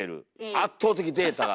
圧倒的データが。